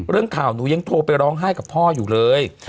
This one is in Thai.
เรื่องข่าวหนูยังโทรไปร้องไห้กับพ่ออยู่เลย